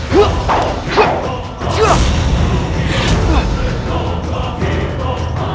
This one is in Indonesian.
kau adalah musuh ayah dana